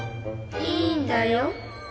いいんだよ。